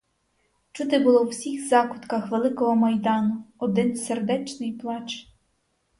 Чути було в усіх закутках великого майдану один сердечний плач.